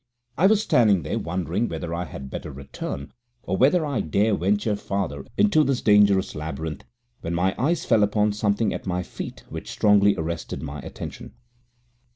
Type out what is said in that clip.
I was standing there wondering whether I had better return, or whether I dare venture farther into this dangerous labyrinth, when my eyes fell upon something at my feet which strongly arrested my attention.